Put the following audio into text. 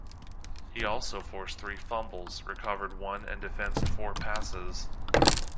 He also forced three fumbles, recovered one and defensed four passes.